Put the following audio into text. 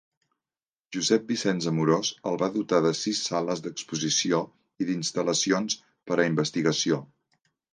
Josep Vicenç Amorós el va dotar de sis sales d’exposició i d’instal·lacions per a investigació.